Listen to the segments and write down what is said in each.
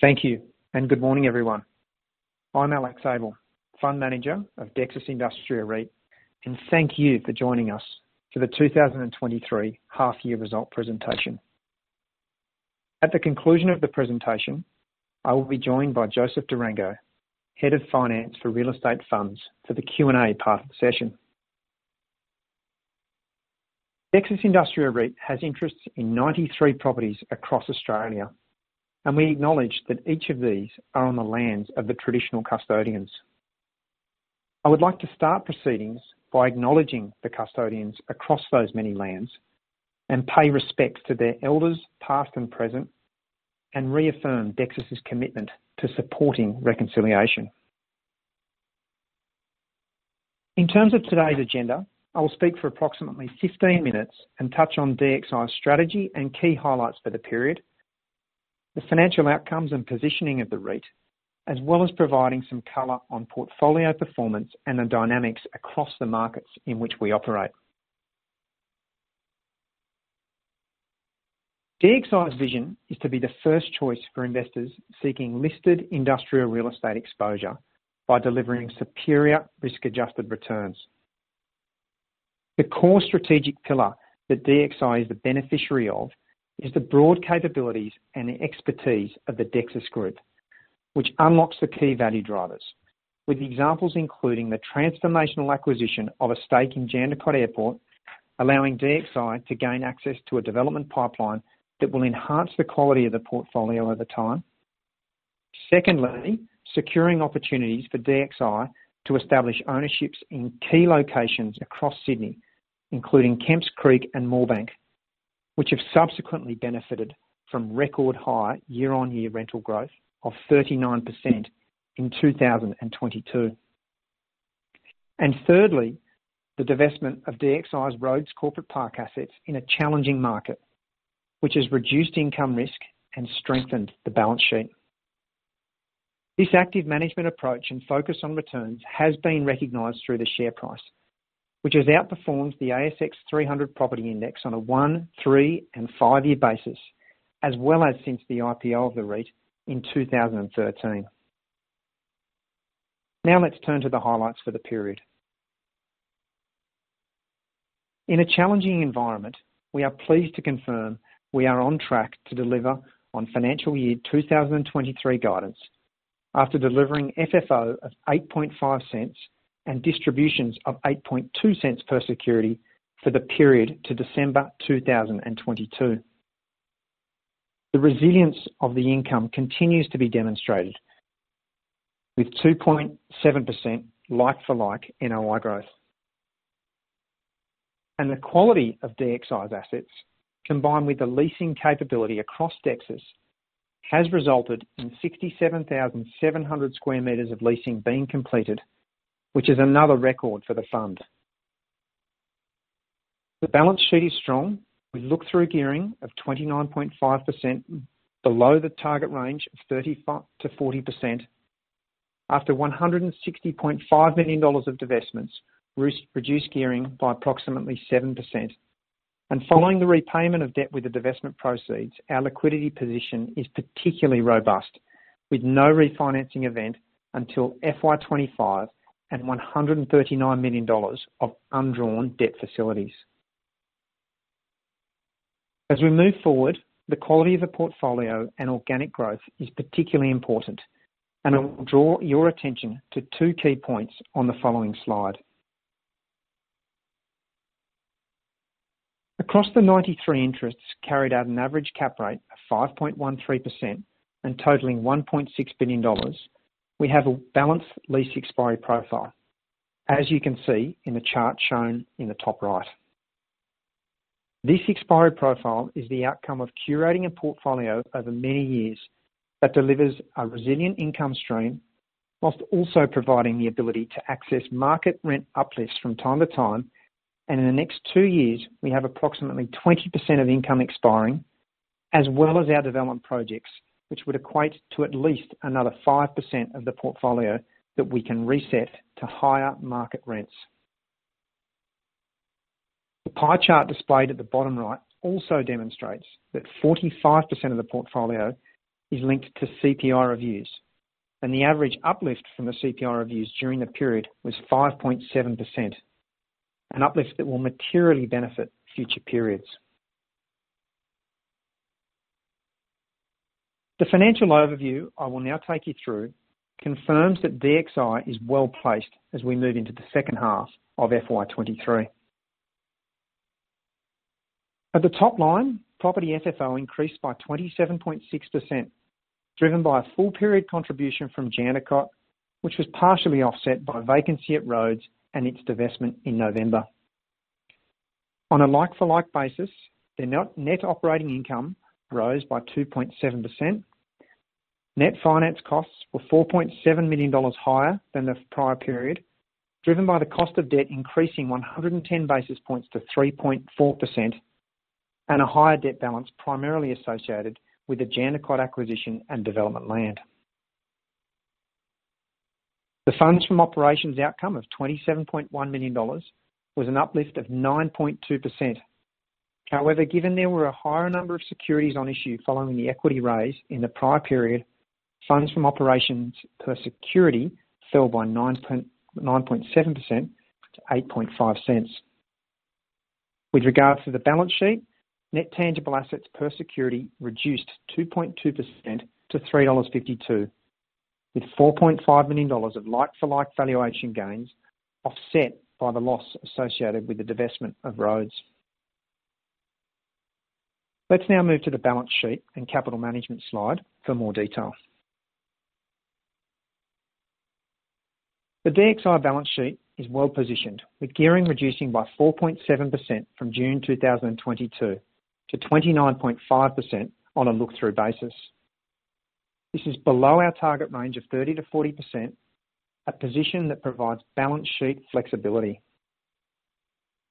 Thank you and good morning, everyone. I'm Alex Abell, Fund Manager of Dexus Industria REIT, and thank you for joining us for the 2023 half year result presentation. At the conclusion of the presentation, I will be joined by Joseph D'Urso, Head of Finance for Real Estate Funds for the Q&A part of the session. Dexus Industria REIT has interests in 93 properties across Australia, and we acknowledge that each of these are on the lands of the traditional custodians. I would like to start proceedings by acknowledging the custodians across those many lands and pay respects to their elders past and present, and reaffirm Dexus's commitment to supporting reconciliation. In terms of today's agenda, I will speak for approximately 15 minutes and touch on DXI's strategy and key highlights for the period, the financial outcomes and positioning of the REIT, as well as providing some color on portfolio performance and the dynamics across the markets in which we operate. DXI's vision is to be the first choice for investors seeking listed industrial real estate exposure by delivering superior risk-adjusted returns. The core strategic pillar that DXI is the beneficiary of is the broad capabilities and the expertise of the Dexus Group, which unlocks the key value drivers. With examples including the transformational acquisition of a stake in Jandakot Airport, allowing DXI to gain access to a development pipeline that will enhance the quality of the portfolio over time. Secondly, securing opportunities for DXI to establish ownerships in key locations across Sydney, including Kemps Creek and Moorebank, which have subsequently benefited from record high year-on-year rental growth of 39% in 2022. Thirdly, the divestment of DXI's Rhodes Corporate Park assets in a challenging market, which has reduced income risk and strengthened the balance sheet. This active management approach and focus on returns has been recognized through the share price, which has outperformed the S&P/ASX 300 A-REIT on a one, three, and five-year basis, as well as since the IPO of the REIT in 2013. Let's turn to the highlights for the period. In a challenging environment, we are pleased to confirm we are on track to deliver on financial year 2023 guidance after delivering FFO of 0.085 and distributions of 0.082 per security for the period to December 2022. The resilience of the income continues to be demonstrated with 2.7% like-for-like NOI growth. The quality of DXI's assets, combined with the leasing capability across Dexus, has resulted in 67,700 sq m of leasing being completed, which is another record for the fund. The balance sheet is strong, with look-through gearing of 29.5% below the target range of 30%-40%. After 160.5 million dollars of divestments reduced gearing by approximately 7%. Following the repayment of debt with the divestment proceeds, our liquidity position is particularly robust, with no refinancing event until FY 2025 and 139 million dollars of undrawn debt facilities. As we move forward, the quality of the portfolio and organic growth is particularly important, and I will draw your attention to two key points on the following slide. Across the 93 interests carried at an average cap rate of 5.13% and totaling 1.6 billion dollars, we have a balanced lease expiry profile, as you can see in the chart shown in the top right. This expiry profile is the outcome of curating a portfolio over many years that delivers a resilient income stream whilst also providing the ability to access market rent uplifts from time to time. In the next two years, we have approximately 20% of income expiring, as well as our development projects, which would equate to at least another 5% of the portfolio that we can reset to higher market rents. The pie chart displayed at the bottom right also demonstrates that 45% of the portfolio is linked to CPI reviews, and the average uplift from the CPI reviews during the period was 5.7%, an uplift that will materially benefit future periods. The financial overview I will now take you through confirms that DXI is well-placed as we move into the second half of FY 2023. At the top line, property FFO increased by 27.6%, driven by a full period contribution from Jandakot, which was partially offset by vacancy at Rhodes and its divestment in November. On a like for like basis, the net operating income rose by 2.7%. Net finance costs were 4.7 million dollars higher than the prior period, driven by the cost of debt increasing 110 basis points to 3.4% and a higher debt balance primarily associated with the Jandakot acquisition and development land. The Funds From Operations outcome of 27.1 million dollars was an uplift of 9.2%. Given there were a higher number of securities on issue following the equity raise in the prior period, Funds From Operations per security fell by 9.7% to 0.085. With regard to the balance sheet, net tangible assets per security reduced 2.2% to 3.52 dollars, with 4.5 million dollars of like-for-like valuation gains, offset by the loss associated with the divestment of Rhodes. Let's now move to the balance sheet and capital management slide for more detail. The DXI balance sheet is well positioned, with gearing reducing by 4.7% from June 2022 to 29.5% on a look-through basis. This is below our target range of 30%-40%, a position that provides balance sheet flexibility.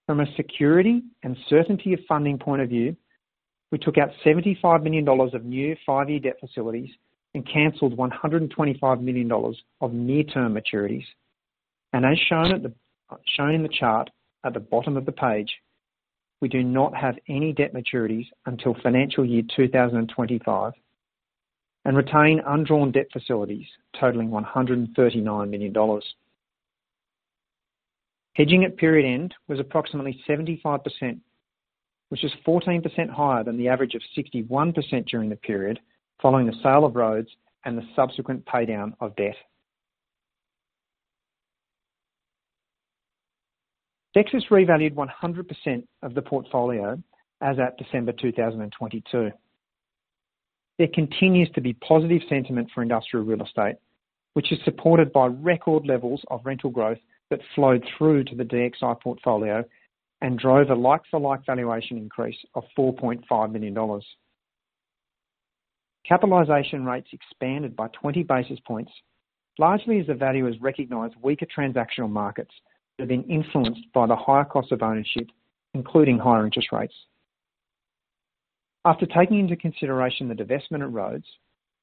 From a security and certainty of funding point of view, we took out 75 million dollars of new five-year debt facilities and canceled 125 million dollars of near-term maturities. As shown in the chart at the bottom of the page, we do not have any debt maturities until financial year 2025 and retain undrawn debt facilities totaling 139 million dollars. Hedging at period end was approximately 75%, which is 14% higher than the average of 61% during the period following the sale of Rhodes and the subsequent pay down of debt. Dexus revalued 100% of the portfolio as at December 2022. There continues to be positive sentiment for industrial real estate, which is supported by record levels of rental growth that flowed through to the DXI portfolio and drove a like-for-like valuation increase of 4.5 million dollars. Capitalization rates expanded by 20 basis points, largely as the value has recognized weaker transactional markets that have been influenced by the higher cost of ownership, including higher interest rates. After taking into consideration the divestment of Rhodes,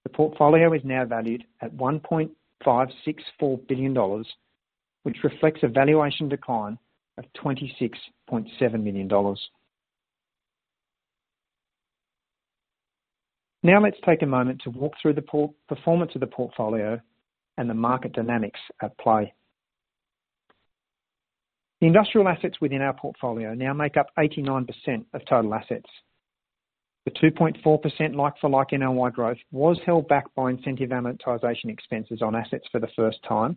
the portfolio is now valued at 1.564 billion dollars, which reflects a valuation decline of 26.7 million dollars. Let's take a moment to walk through the performance of the portfolio and the market dynamics at play. The industrial assets within our portfolio now make up 89% of total assets. The 2.4% like for like NOI growth was held back by incentive amortization expenses on assets for the first time.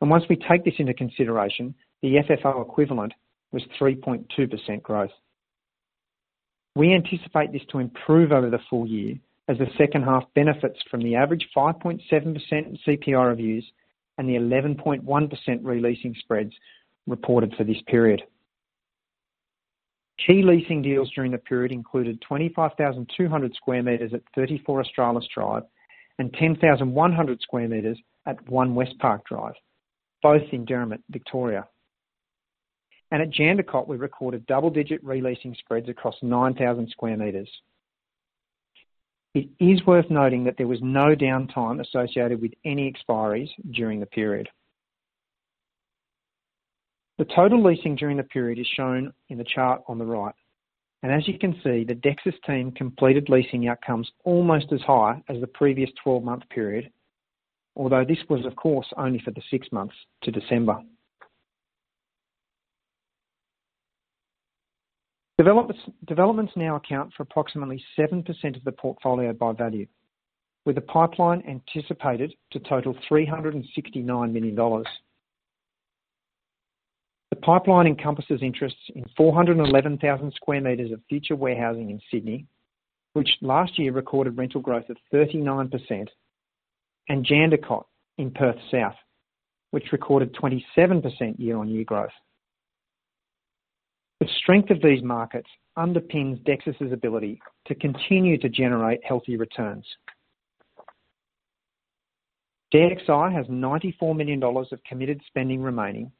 Once we take this into consideration, the FFO equivalent was 3.2% growth. We anticipate this to improve over the full year as the second half benefits from the average 5.7% CPI reviews and the 11.1% re-leasing spreads reported for this period. Key leasing deals during the period included 25,200 sq m at 34 Australis Drive and 10,100 sq m at 1 Westpark Drive, both in Derrimut, Victoria. At Jandakot, we recorded double-digit re-leasing spreads across 9,000 sq m. It is worth noting that there was no downtime associated with any expiries during the period. The total leasing during the period is shown in the chart on the right, and as you can see, the Dexus team completed leasing outcomes almost as high as the previous 12-month period, although this was of course, only for the six months to December. Developments now account for approximately 7% of the portfolio by value, with the pipeline anticipated to total 369 million dollars. The pipeline encompasses interests in 411,000 sq m of future warehousing in Sydney, which last year recorded rental growth of 39%, and Jandakot in Perth South, which recorded 27% year-on-year growth. The strength of these markets underpins Dexus's ability to continue to generate healthy returns. DXI has 94 million dollars of committed spending remaining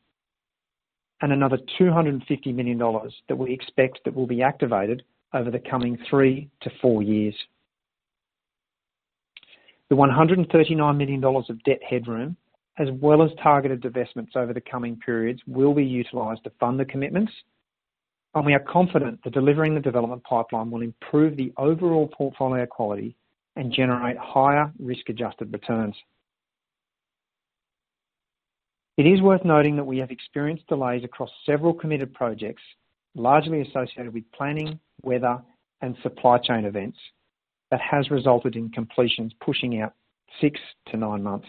and another 250 million dollars that we expect that will be activated over the coming 3-4 years. The 139 million dollars of debt headroom, as well as targeted divestments over the coming periods, will be utilized to fund the commitments. We are confident that delivering the development pipeline will improve the overall portfolio quality and generate higher risk-adjusted returns. It is worth noting that we have experienced delays across several committed projects, largely associated with planning, weather, and supply chain events, that has resulted in completions pushing out 6-9 months.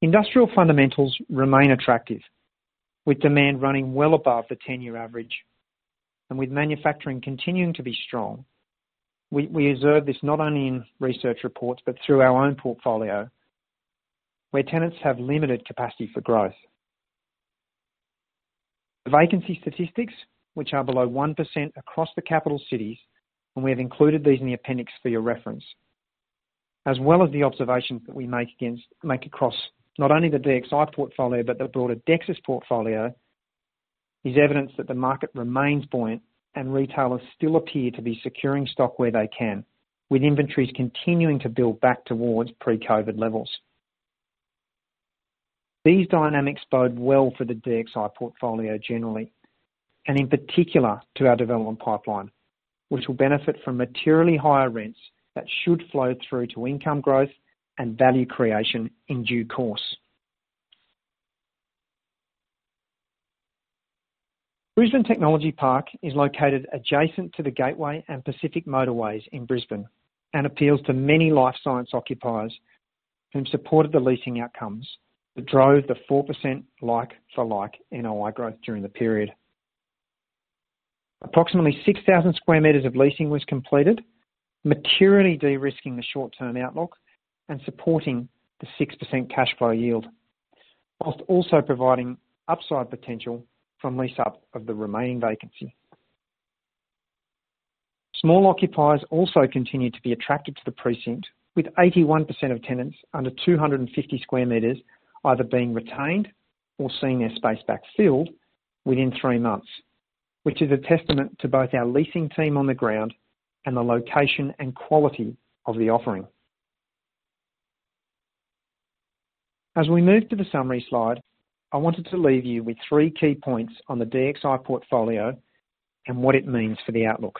Industrial fundamentals remain attractive, with demand running well above the 10-year average. With manufacturing continuing to be strong, we observe this not only in research reports, but through our own portfolio, where tenants have limited capacity for growth. The vacancy statistics, which are below 1% across the capital cities, and we have included these in the appendix for your reference, as well as the observations that we make across not only the DXI portfolio, but the broader Dexus portfolio. Is evidence that the market remains buoyant and retailers still appear to be securing stock where they can, with inventories continuing to build back towards pre-COVID levels. These dynamics bode well for the DXI portfolio generally, and in particular to our development pipeline, which will benefit from materially higher rents that should flow through to income growth and value creation in due course. Brisbane Technology Park is located adjacent to the Gateway and Pacific Motorways in Brisbane and appeals to many life science occupiers who've supported the leasing outcomes that drove the 4% like-for-like NOI growth during the period. Approximately 6,000 sq m of leasing was completed, materially de-risking the short-term outlook and supporting the 6% cash flow yield, whilst also providing upside potential from lease up of the remaining vacancy. Small occupiers also continue to be attracted to the precinct, with 81% of tenants under 250 sq m either being retained or seeing their space back filled within three months, which is a testament to both our leasing team on the ground and the location and quality of the offering. As we move to the summary slide, I wanted to leave you with three key points on the DXI portfolio and what it means for the outlook.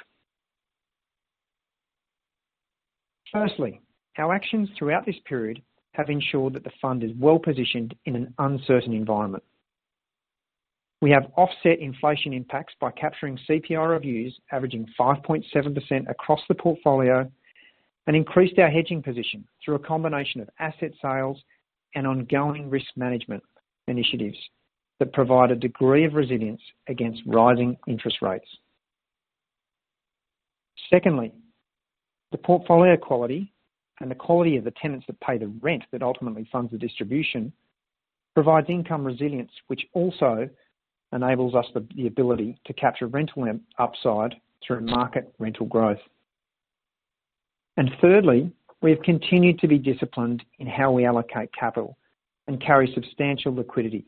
Firstly, our actions throughout this period have ensured that the fund is well positioned in an uncertain environment. We have offset inflation impacts by capturing CPI reviews averaging 5.7% across the portfolio and increased our hedging position through a combination of asset sales and ongoing risk management initiatives that provide a degree of resilience against rising interest rates. Secondly, the portfolio quality and the quality of the tenants that pay the rent that ultimately funds the distribution provides income resilience, which also enables us the ability to capture rental upside through market rental growth. Thirdly, we have continued to be disciplined in how we allocate capital and carry substantial liquidity,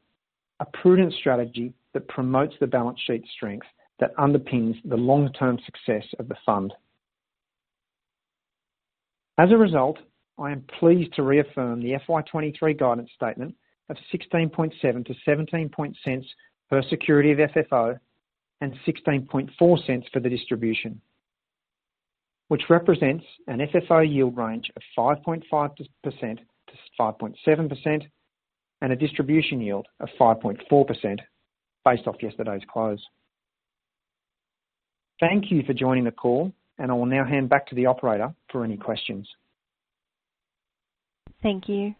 a prudent strategy that promotes the balance sheet strength that underpins the long-term success of the fund. I am pleased to reaffirm the FY 2023 guidance statement of 0.167-0.170 per security of FFO and 0.164 for the distribution, which represents an FFO yield range of 5.5%-5.7% and a distribution yield of 5.4% based off yesterday's close. Thank you for joining the call. I will now hand back to the operator for any questions. Thank you.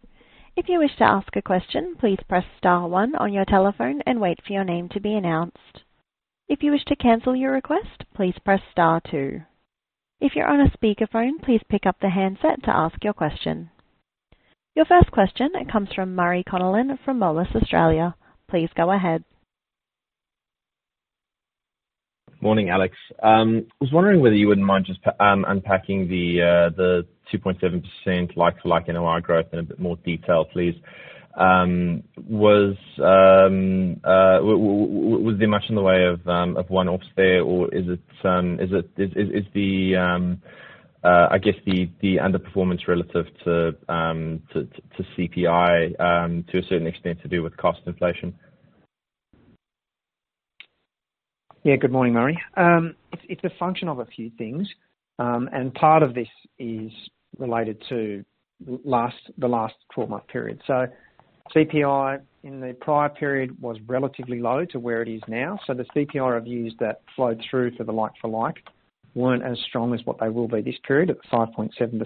If you wish to ask a question, please press star one on your telephone and wait for your name to be announced. If you wish to cancel your request, please press star two. If you're on a speakerphone, please pick up the handset to ask your question. Your first question comes from Murray Connellan from Moelis Australia. Please go ahead. Morning, Alex. I was wondering whether you wouldn't mind just unpacking the 2.7% like to like NOI growth in a bit more detail, please. Was there much in the way of one-offs there, or is it the I guess the underperformance relative to CPI to a certain extent to do with cost inflation? Good morning, Murray. It's a function of a few things, part of this is related to the last 12-month period. CPI in the prior period was relatively low to where it is now. The CPI reviews that flowed through for the like for like weren't as strong as what they will be this period at 5.7%.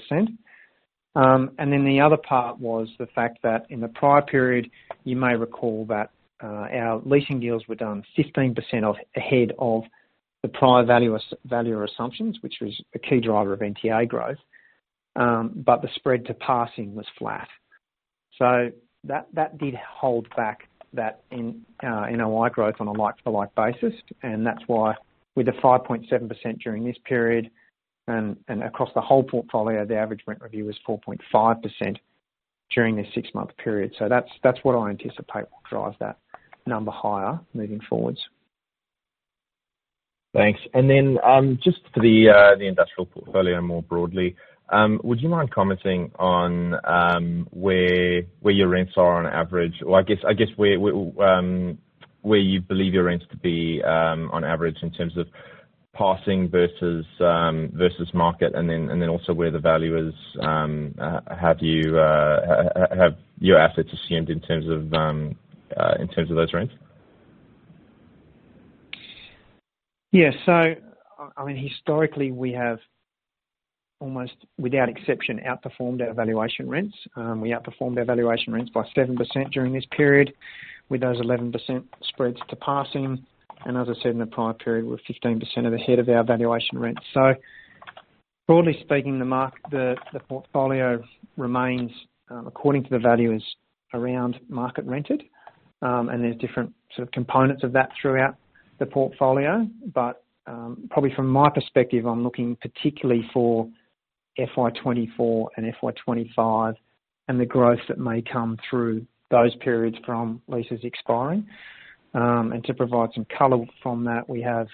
The other part was the fact that in the prior period, you may recall that our leasing deals were done 15% off ahead of the prior value or assumptions, which was a key driver of NTA growth, the spread to passing was flat. That did hold back that in NOI growth on a like-for-like basis, and that's why with the 5.7% during this period and across the whole portfolio, the average rent review is 4.5% during this six-month period. That's what I anticipate will drive that number higher moving forwards. Thanks. And then, just for the industrial portfolio more broadly, would you mind commenting on where your rents are on average? Or I guess where you believe your rents to be on average in terms of passing versus market and then also where the value is, have your assets assumed in terms of those rents? I mean, historically, we have almost, without exception, outperformed our valuation rents. We outperformed our valuation rents by 7% during this period with those 11% spreads to passing. As I said in the prior period, we're 15% ahead of our valuation rents. Broadly speaking, the portfolio remains, according to the value is around market rented, and there's different sort of components of that throughout the portfolio. Probably from my perspective, I'm looking particularly for FY 2024 and FY 2025, and the growth that may come through those periods from leases expiring. To provide some color from that, we have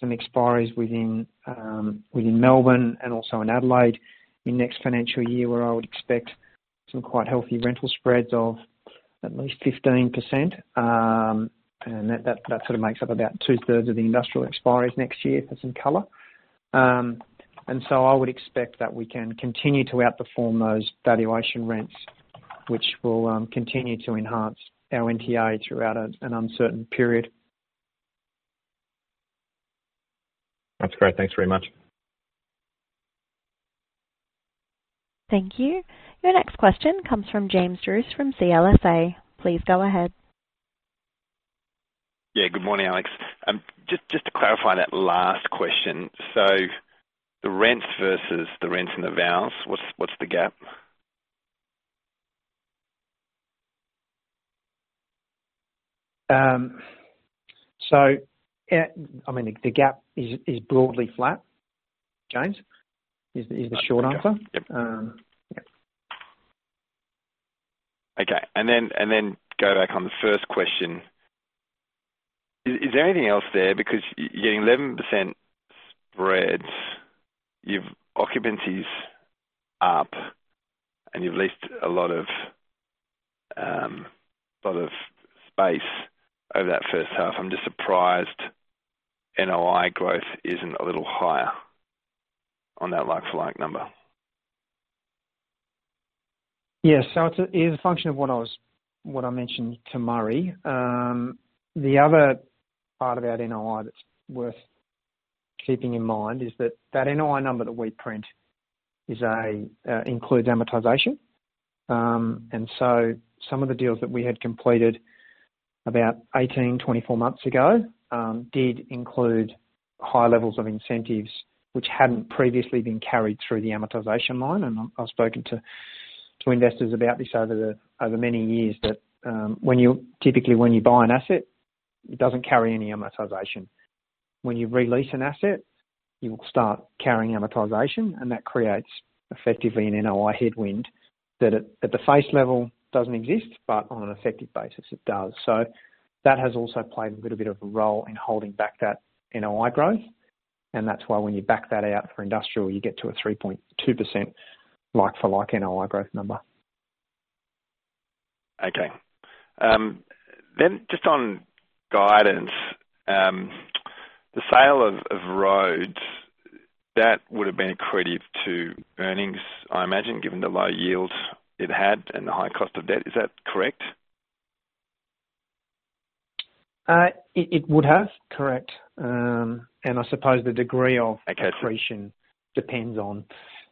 some expiries within Melbourne and also in Adelaide in next financial year, where I would expect some quite healthy rental spreads of at least 15%. That sort of makes up about 2/3 of the industrial expiries next year for some color. I would expect that we can continue to outperform those valuation rents, which will continue to enhance our NTA throughout an uncertain period. That's great. Thanks very much. Thank you. Your next question comes from James Druce from CLSA. Please go ahead. Yeah, good morning, Alex. Just to clarify that last question. The rents versus the rents and the vals, what's the gap? I mean, the gap is broadly flat, James, is the short answer. Okay. Yeah. Okay. Go back on the first question. Is there anything else there? You're at 11% spreads, your occupancy's up, and you've leased a lot of space over that first half. I'm just surprised NOI growth isn't a little higher on that like-for-like number. It is a function of what I mentioned to Murray. The other part about NOI that's worth keeping in mind is that that NOI number that we print is a, includes amortization. Some of the deals that we had completed about 18, 24 months ago, did include high levels of incentives which hadn't previously been carried through the amortization line. I've spoken to investors about this over many years, but, typically, when you buy an asset, it doesn't carry any amortization. When you re-lease an asset, you'll start carrying amortization, and that creates effectively an NOI headwind that at the face level doesn't exist, but on an effective basis, it does. That has also played a little bit of a role in holding back that NOI growth, and that's why when you back that out for industrial, you get to a 3.2% like-for-like NOI growth number. Okay. Just on guidance, the sale of Rhodes, that would have been accretive to earnings, I imagine, given the low yields it had and the high cost of debt. Is that correct? it would have. Correct. I suppose Okay. Accretion depends on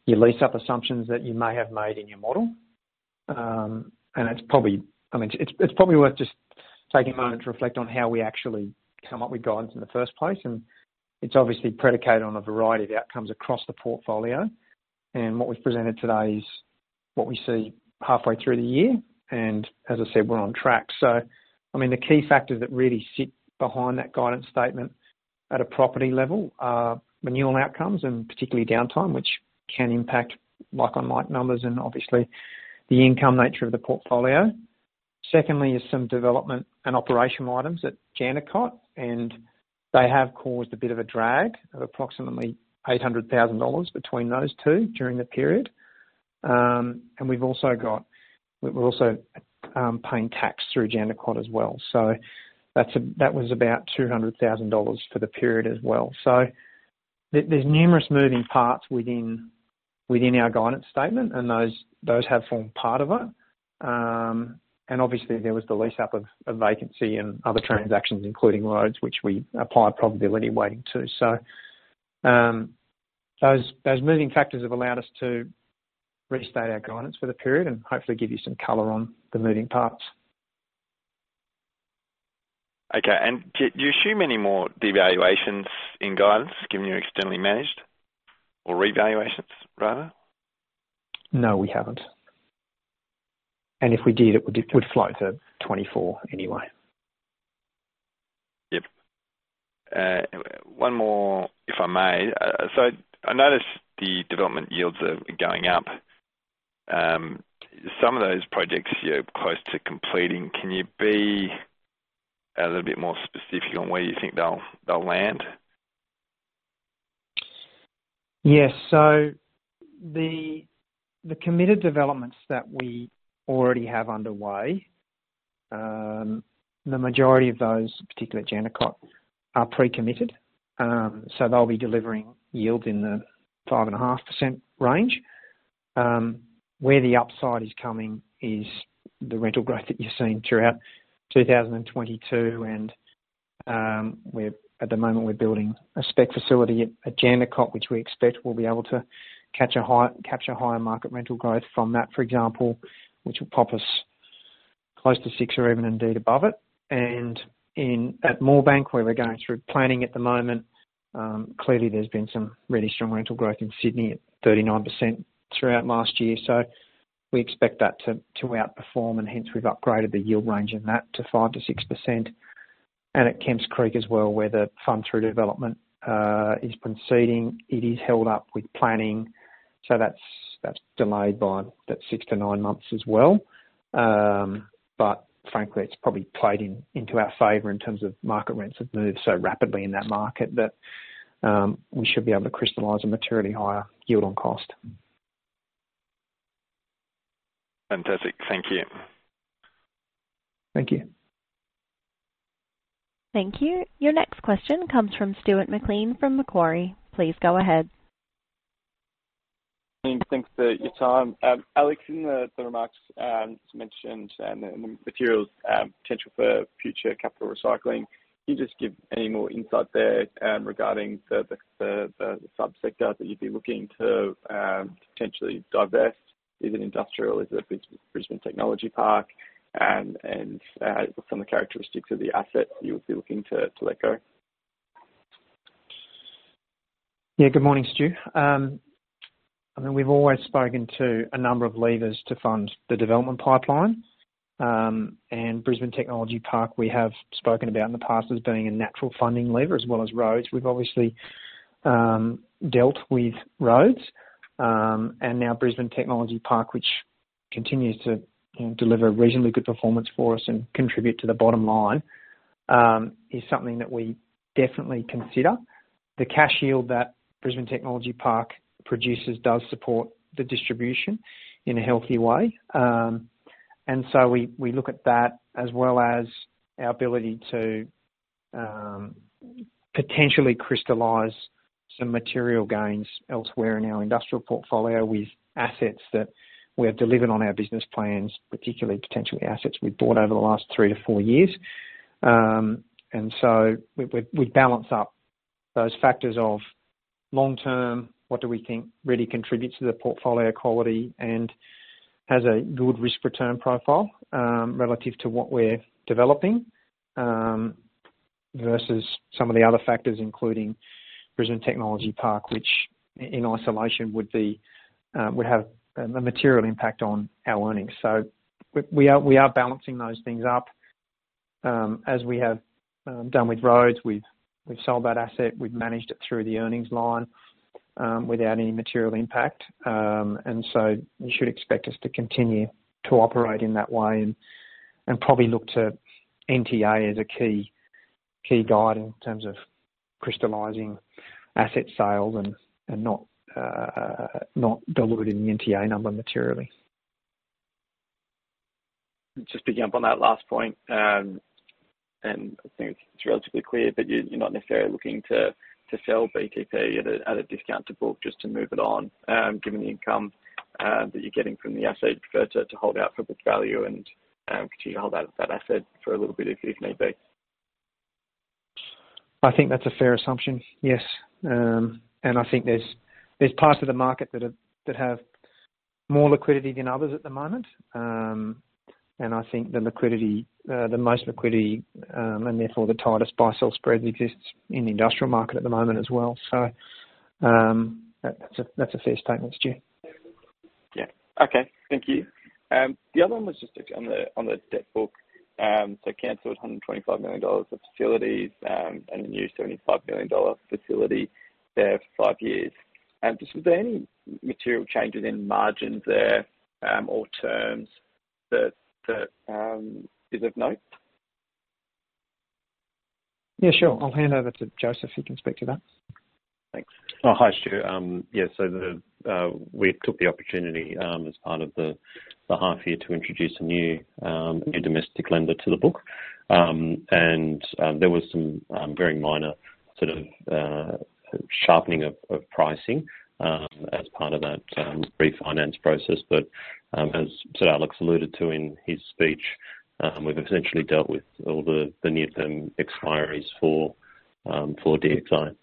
your lease-up assumptions that you may have made in your model. I mean, it's probably worth just taking a moment to reflect on how we actually come up with guidance in the first place. It's obviously predicated on a variety of outcomes across the portfolio. What we've presented today is what we see halfway through the year, and as I said, we're on track. I mean, the key factors that really sit behind that guidance statement at a property level are renewal outcomes and particularly downtime, which can impact like-on-like numbers and obviously the income nature of the portfolio. Secondly is some development and operational items at Jandakot. They have caused a bit of a drag of approximately 800,000 dollars between those two during the period. We're also paying tax through Jandakot as well. That was about 200,000 dollars for the period as well. There's numerous moving parts within our guidance statement, and those have formed part of it. Obviously there was the lease up of vacancy and other transactions, including Rhodes, which we apply a probability weighting to. Those moving factors have allowed us to restate our guidance for the period and hopefully give you some color on the moving parts. Okay. Do you assume any more devaluations in guidance given you're externally managed or revaluations rather? No, we haven't. If we did, it would flow to 2024 anyway. Yep. 1 more if I may. I noticed the development yields are going up. Some of those projects, you're close to completing. Can you be a little bit more specific on where you think they'll land? Yes. The, the committed developments that we already have underway, the majority of those, particularly at Jandakot, are pre-committed. They'll be delivering yield in the 5.5% range. Where the upside is coming is the rental growth that you're seeing throughout 2022, at the moment we're building a spec facility at Jandakot, which we expect will be able to capture higher market rental growth from that, for example, which will pop us close to 6% or even indeed above it. At Moorebank, where we're going through planning at the moment, clearly there's been some really strong rental growth in Sydney at 39% throughout last year. We expect that to outperform, and hence we've upgraded the yield range in that to 5%-6%. At Kemps Creek as well, where the fund through development is proceeding. It is held up with planning, so that's delayed by about 6-9 months as well. Frankly, it's probably played into our favor in terms of market rents have moved so rapidly in that market that we should be able to crystallize a materially higher yield on cost. Fantastic. Thank you. Thank you. Thank you. Your next question comes from Stuart McLean from Macquarie. Please go ahead. Thanks for your time. Alex Abell, in the remarks mentioned and the materials, potential for future capital recycling, can you just give any more insight there regarding the subsector that you'd be looking to potentially divest? Is it industrial? Is it Brisbane Technology Park? And some of the characteristics of the assets you would be looking to let go. Good morning, Stu. We've always spoken to a number of levers to fund the development pipeline. Brisbane Technology Park, we have spoken about in the past as being a natural funding lever as well as Rhodes. We've obviously dealt with Rhodes, and now Brisbane Technology Park, which continues to, you know, deliver reasonably good performance for us and contribute to the bottom line, is something that we definitely consider. The cash yield that Brisbane Technology Park produces does support the distribution in a healthy way. We, we look at that as well as our ability to potentially crystallize some material gains elsewhere in our industrial portfolio with assets that we have delivered on our business plans, particularly potentially assets we've bought over the last 3-4 years. We balance up those factors of long term, what do we think really contributes to the portfolio quality and has a good risk-return profile, relative to what we're developing, versus some of the other factors including Brisbane Technology Park, which in isolation would be, would have a material impact on our earnings. We are balancing those things up, as we have done with Rhodes. We've sold that asset, we've managed it through the earnings line, without any material impact. You should expect us to continue to operate in that way and probably look to NTA as a key guide in terms of crystallizing asset sales and not diluting the NTA number materially. Just picking up on that last point, I think it's relatively clear that you're not necessarily looking to sell BTP at a discount to book just to move it on, given the income that you're getting from the asset, you prefer to hold out for book value and continue to hold out that asset for a little bit if need be. I think that's a fair assumption. Yes. I think there's parts of the market that have more liquidity than others at the moment. I think the liquidity, the most liquidity, and therefore the tightest buy-sell spread exists in the industrial market at the moment as well. That's a, that's a fair statement, Stu. Okay. Thank you. The other one was just on the debt book. You canceled 125 million dollars of facilities, and a new 75 million dollar facility there for five years. Was there any material changes in margins there, or terms that is of note? Yeah, sure. I'll hand over to Joseph. He can speak to that. Thanks. Hi, Stu. We took the opportunity as part of the half year to introduce a new domestic lender to the book. There was some very minor sharpening of pricing as part of that refinance process. As Alex alluded to in his speech, we've essentially dealt with all the near-term expiries for DXI.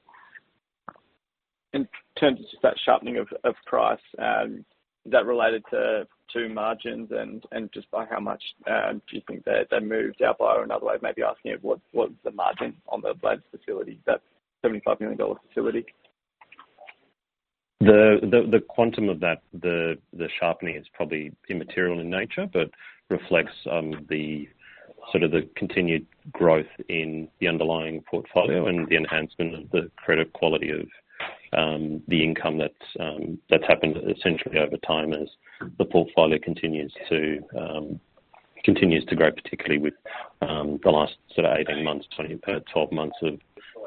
In terms of just that sharpening of price, is that related to margins? Just by how much do you think they moved out by or another way maybe asking it, what's the margin on the bilateral facility, that 75 million dollar facility? The quantum of that, the sharpening is probably immaterial in nature, but reflects the sort of the continued growth in the underlying portfolio and the enhancement of the credit quality of the income that's happened essentially over time as the portfolio continues to grow, particularly with the last sort of 18 months, 12 months of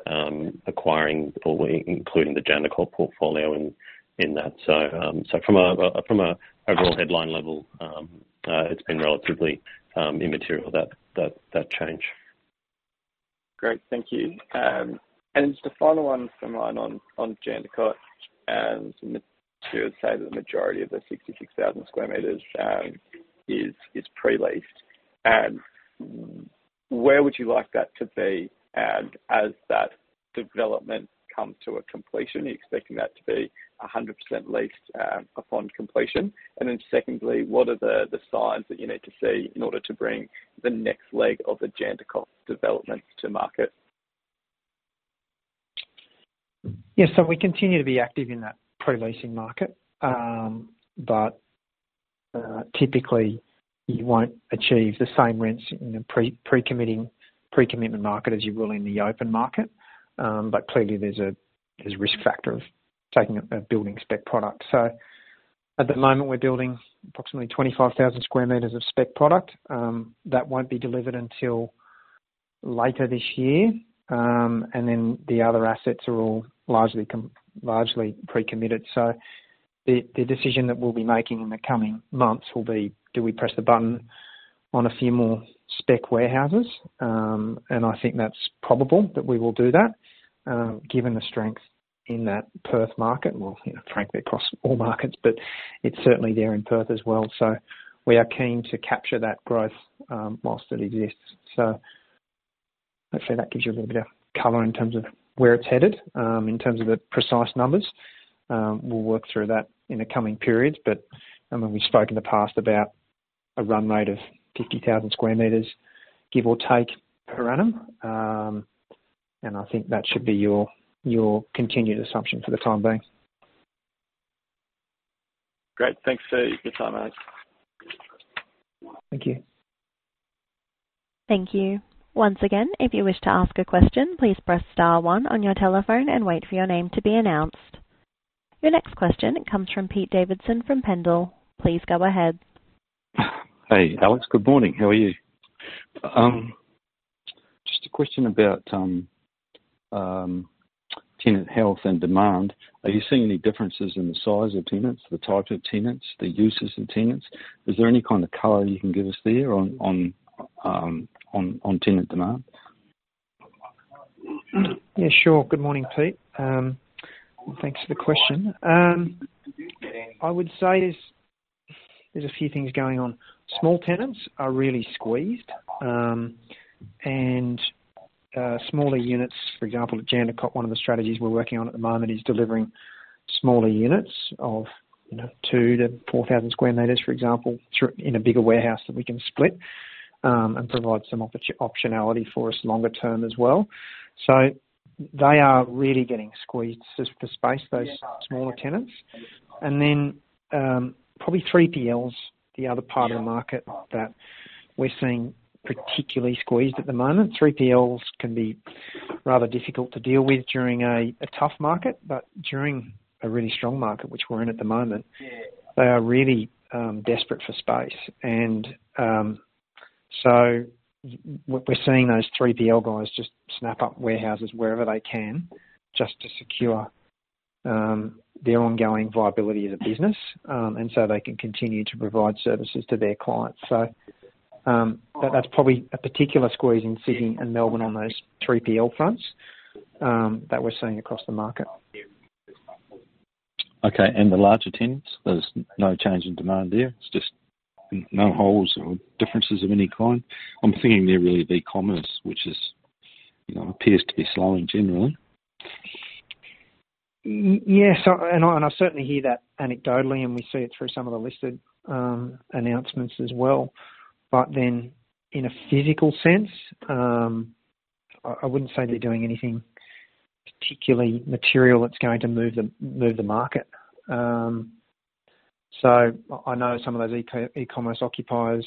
including the Jandakot portfolio in that. From a overall headline level, it's been relatively immaterial, that change. Great. Thank you. Just a final one from mine on Jandakot. To say the majority of the 66,000 sq m is pre-leased. Where would you like that to be as that development comes to a completion? Are you expecting that to be 100% leased upon completion? Secondly, what are the signs that you need to see in order to bring the next leg of the Jandakot development to market? Yeah, we continue to be active in that pre-leasing market. Typically you won't achieve the same rents in a pre-commitment market as you will in the open market. Clearly there's a risk factor of taking a building spec product. At the moment, we're building approximately 25,000 sq m of spec product that won't be delivered until later this year. The other assets are all largely pre-committed. The decision that we'll be making in the coming months will be do we press the button on a few more spec warehouses? I think that's probable that we will do that given the strength in that Perth market. Well, you know, frankly, across all markets, it's certainly there in Perth as well. We are keen to capture that growth whilst it exists. Hopefully that gives you a little bit of color in terms of where it's headed. In terms of the precise numbers, we'll work through that in the coming periods. I mean, we've spoken in the past about a run rate of 50,000 sq m, give or take, per annum. I think that should be your continued assumption for the time being. Great. Thanks for your time, Alex. Thank you. Thank you. Once again, if you wish to ask a question, please press star one on your telephone and wait for your name to be announced. Your next question comes from Pete Davidson from Pendal. Please go ahead. Hey, Alex, good morning. How are you? Just a question about tenant health and demand. Are you seeing any differences in the size of tenants, the types of tenants, the uses of tenants? Is there any kind of color you can give us there on tenant demand? Yeah, sure. Good morning, Pete. Thanks for the question. I would say there's a few things going on. Small tenants are really squeezed, and smaller units, for example, at Jandakot, one of the strategies we're working on at the moment is delivering smaller units of, you know, 2,000-4,000 sq m, for example, in a bigger warehouse that we can split, and provide some optionality for us longer term as well. They are really getting squeezed just for space, those smaller tenants. Probably 3PLs, the other part of the market that we're seeing particularly squeezed at the moment. 3PLs can be rather difficult to deal with during a tough market, but during a really strong market, which we're in at the moment, they are really desperate for space. We're seeing those 3PL guys just snap up warehouses wherever they can just to secure, their ongoing viability as a business, and so they can continue to provide services to their clients. That's probably a particular squeeze in Sydney and Melbourne on those 3PL fronts, that we're seeing across the market. Okay. The larger tenants, there's no change in demand there? It's just no holes or differences of any kind. I'm thinking there really of e-commerce, which is, you know, appears to be slowing generally. Yes, I certainly hear that anecdotally, and we see it through some of the listed announcements as well. In a physical sense, I wouldn't say they're doing anything particularly material that's going to move the market. I know some of those e-commerce occupiers,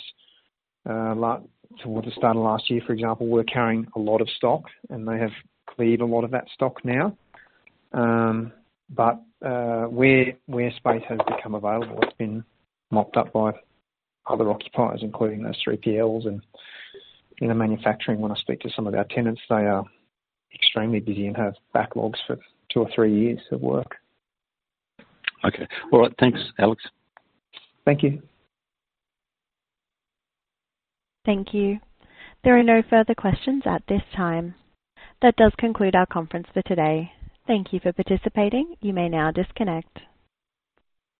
like towards the start of last year, for example, were carrying a lot of stock and they have cleared a lot of that stock now. Where space has become available, it's been mopped up by other occupiers, including those 3PLs and, you know, manufacturing. When I speak to some of our tenants, they are extremely busy and have backlogs for two or three years of work. Okay. All right. Thanks, Alex. Thank you. Thank you. There are no further questions at this time. That does conclude our conference for today. Thank you for participating. You may now disconnect.